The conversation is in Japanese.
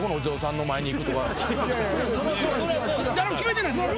誰も決めてない。